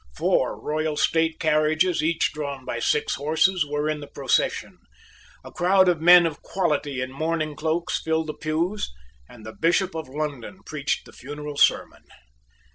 Four royal state carriages, each drawn by six horses, were in the procession; a crowd of men of quality in mourning cloaks filled the pews; and the Bishop of Lincoln preached the funeral sermon.